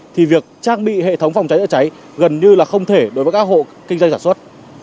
thì việc trang bị hệ thống phòng cháy chữa cháy gần như là không thể đối với các hộ kinh doanh sản xuất